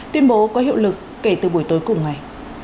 tuyên bố có hiệu lực kể từ buổi tối cùng ngày